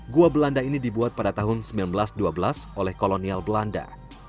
gua belanda ini dibuat pada tahun seribu sembilan ratus dua belas oleh kolonial belanda